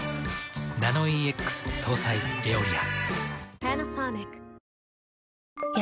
ナノイーＸ搭載「エオリア」。